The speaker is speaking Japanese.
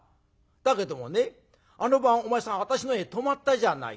だけどもねあの晩お前さん私の家に泊まったじゃないか。